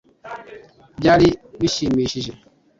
byari bishimishije